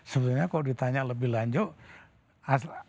sebetulnya kalau ditanya lebih lanjut